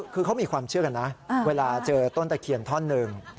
คือเขามีความเชื่อกันนะเวลาเจอต้นตะเคียนท่อนหนึ่ง